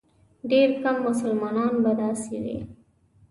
ډېر کم مسلمانان به داسې وي.